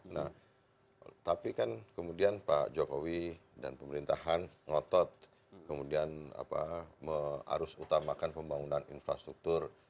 nah tapi kan kemudian pak jokowi dan pemerintahan ngotot kemudian mengarus utamakan pembangunan infrastruktur